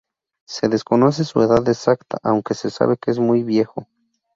Se desconoce su edad exacta aunque se sabe que es muy viejo.